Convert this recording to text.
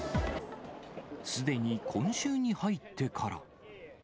すでに今週に入ってから。